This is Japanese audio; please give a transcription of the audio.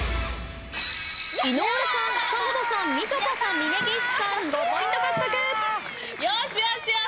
井上さん久本さんみちょぱさん峯岸さん５ポイント獲得。